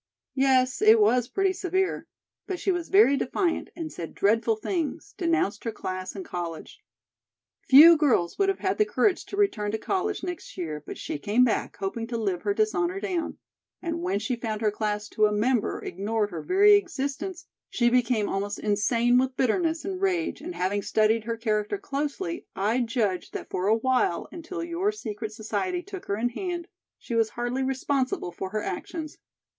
"Yes; it was pretty severe. But she was very defiant, and said dreadful things, denounced her class and college. Few girls would have had the courage to return to college next year, but she came back, hoping to live her dishonor down, and when she found her class to a member ignored her very existence, she became almost insane with bitterness and rage, and having studied her character closely, I judge that for a while, until your secret society took her in hand, she was hardly responsible for her actions.